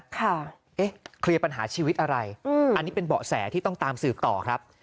เอ๊ะเคลียร์ปัญหาชีวิตอะไรอืมอันนี้เป็นเบาะแสที่ต้องตามสืบต่อครับ